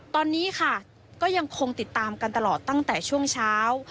ตอนนี้ค่ะก็ยังคงติดตามกันตลอดตั้งแต่ช่วงเช้า